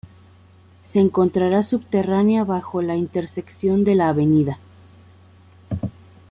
Se encontrará subterránea bajo la intersección de la Av.